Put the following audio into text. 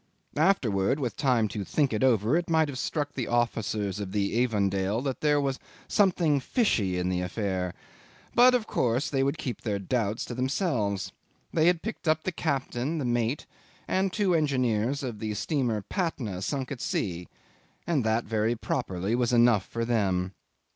Afterwards, with time to think it over, it might have struck the officers of the Avondale that there was "something fishy" in the affair; but of course they would keep their doubts to themselves. They had picked up the captain, the mate, and two engineers of the steamer Patna sunk at sea, and that, very properly, was enough for them.